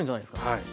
はい。